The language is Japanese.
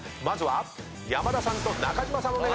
まずは山田さんと中島さん